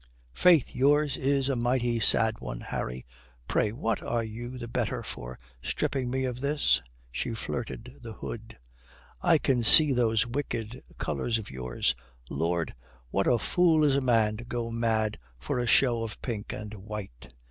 "Faith, yours is a mighty sad one, Harry. Pray, what are you the better for stripping me of this?" She flirted the hood. "I can see those wicked colours of yours. Lord, what a fool is a man to go mad for a show of pink and white!"